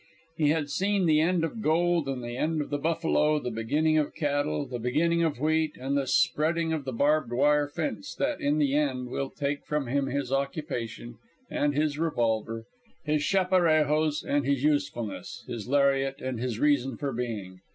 He had seen the end of gold and the end of the buffalo, the beginning of cattle, the beginning of wheat, and the spreading of the barbed wire fence, that, in the end, will take from him his occupation and his revolver, his chaparejos and his usefulness, his lariat and his reason for being.